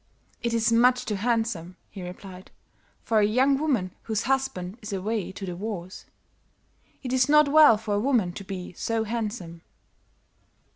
"'It is much too handsome,' he replied, 'for a young woman whose husband is away to the wars. It is not well for a woman to be so handsome.'